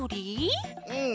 うん。